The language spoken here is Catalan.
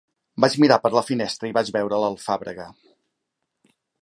Vaig mirar per la finestra i vaig veure l'alfàbrega.